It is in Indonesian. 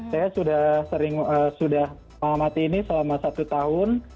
saya sudah sering sudah mengamati ini selama satu tahun